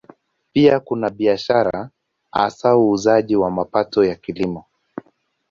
Pia kuna biashara, hasa uuzaji wa mapato ya Kilimo.